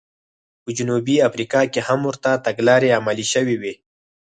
په جنوبي افریقا کې هم ورته تګلارې عملي شوې وې.